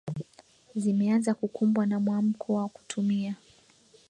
zimeanza kukumbwa na mwamko wa kutumia